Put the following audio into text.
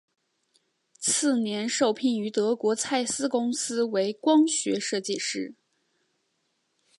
次年受聘于德国蔡司公司为光学设计师。